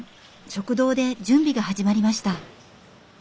食堂で準備が始まりました。